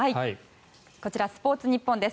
こちらスポーツニッポンです。